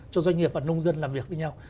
cho doanh nghiệp và nông dân làm việc với nhau